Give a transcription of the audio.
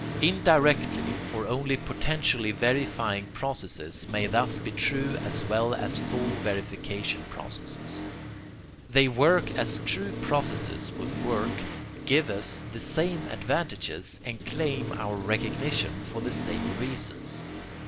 INDIRECTLY OR ONLY POTENTIALLY VERIFYING PROCESSES MAY THUS BE TRUE AS WELL AS FULL VERIFICATION PROCESSES. They work as true processes would work, give us the same advantages, and claim our recognition for the same reasons.